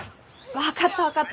分かった分かった。